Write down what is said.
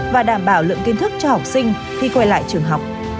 và đảm bảo lượng kiến thức cho học sinh khi quay lại trường học